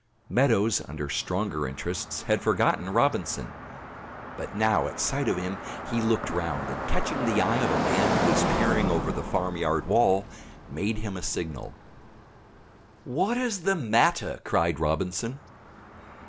Meadows, under stronger interests, had forgotten Robinson; but now at sight of him he looked round, and catching the eye of a man who was peering over the farmyard wall, made him a signal. "What is the matter?" cried Robinson.